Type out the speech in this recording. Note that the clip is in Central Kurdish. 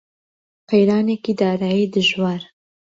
قەیرانێکی دارایی دژوار